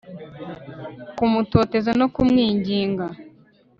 Kumutoteza no kumwinginga